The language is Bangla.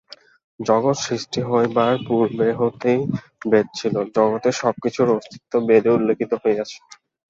জগৎ সৃষ্ট হইবার পূর্ব হইতেই বেদ ছিল, জগতের সব-কিছুর অস্তিত্ব বেদে উল্লিখিত হইয়াছে।